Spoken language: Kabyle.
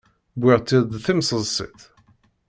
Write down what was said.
Wwiɣ-tt-id d timseḍsit.